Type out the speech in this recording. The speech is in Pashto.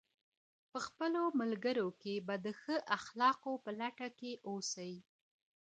په خپلو ملګرو کي به د ښو اخلاقو په لټه کي اوسئ.